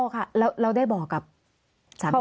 ค่ะแล้วได้บอกกับสามี